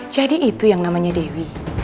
jadi itu yang namanya dewi